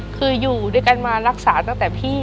คืออยู่ด้วยกันมารักษาตั้งแต่พี่